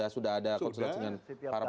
sudah ada konsultasi dengan para pakar hukum